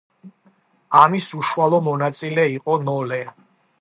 ამის უშუალო მონაწილე იყო ნოლე.